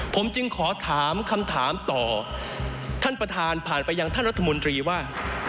ผมจึงขอถามคำถามต่อท่านประธานผ่านไปยังท่านรัฐมนตรีว่า